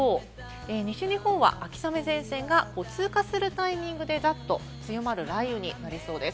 西日本は秋雨前線が通過するタイミングでざっと強まる雷雨になりそうです。